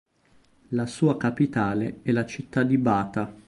La sua capitale è la città di Bata.